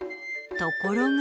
ところが。